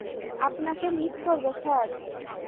আপনাকে মিস করব, স্যার!